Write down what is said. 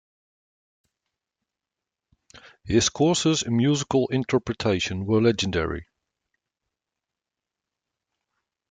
His courses in musical interpretation were legendary.